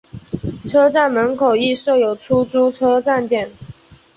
车站门口亦设有出租车站点。